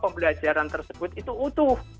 pembelajaran tersebut itu utuh